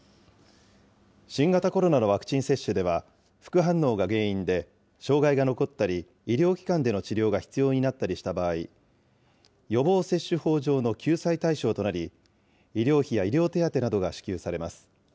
新型コロナのワクチン接種では、副反応が原因で障害が残ったり、医療機関での治療が必要になったりした場合、予防接種法上の救済対象となり、医療費や医療手当などが支給されます。